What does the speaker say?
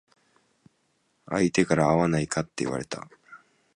相手から会わないかって言われた。